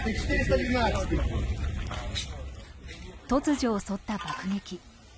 突如襲った爆撃。